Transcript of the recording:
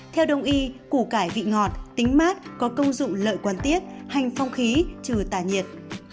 theo đồng y củ cải vị ngọt tính mát có công dụng lợi quan tiết hành phong khí trừ tà nhiệt